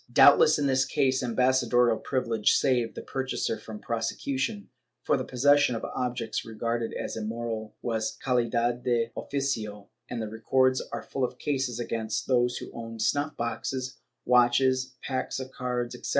^ Doubtless in this case ambassadorial privilege saved the pur chaser from prosecution, for the possession of objects regarded as immoral was calidad de oficio, and the records are full of cases against those who owned snuff boxes, watches, packs of cards etc.